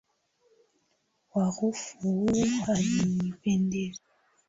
Harufu hii hainipendezi.